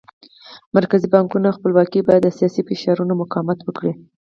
مرکزي بانکونو خپلواکي به د سیاسي فشارونو مقاومت وکړي.